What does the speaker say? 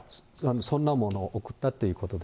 そんなもの贈ったっていうことで。